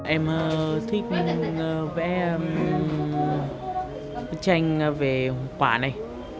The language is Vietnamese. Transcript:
em thích vẽ bức tranh về quả này